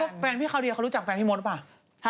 แล้วแฟนพี่เขาเดียเขารู้จักแฟนพี่มดป่ะ